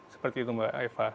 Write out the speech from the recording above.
seperti itu mbak eva